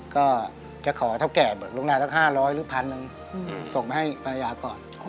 ก็จะขอแค่๕๐๐หรือ๑๐๐๐ส่งไปให้ภรรยาก่อน